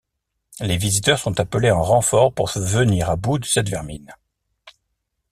Les visiteurs sont appelés en renfort pour venir à bout de cette vermine.